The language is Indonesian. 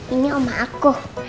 ini oma aku